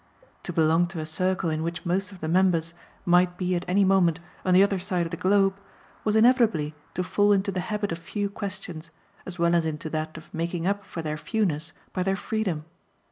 To belong to a circle in which most of the members might be at any moment on the other side of the globe was inevitably to fall into the habit of few questions, as well as into that of making up for their fewness by their freedom.